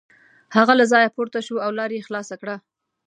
هغه له ځایه پورته شو او لار یې خلاصه کړه.